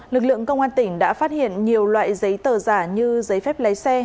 lực lượng công an tỉnh đã phát hiện nhiều loại giấy tờ giả như giấy phép lái xe